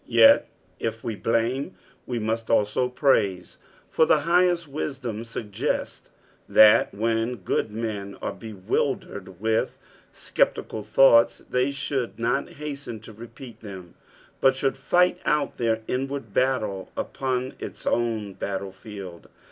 Tet, if we blame we must also praise, for the highest wisdom suggests that when good men are bewildered with sceptical thoughts, they should not hasten to repeat them, but should fight out their inward oattle upon its own battle field.